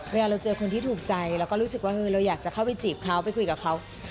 เวลาเราเจอคนที่ถูกใจเราก็รู้สึกว่าเราอยากจะเข้าไปจีบเขาไปคุยกับเขา